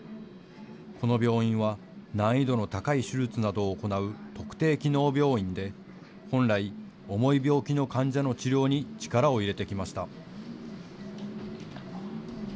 この病院は難易度の高い手術などを行う特定機能病院で本来、重い病気の患者の治療に力を入れてきました。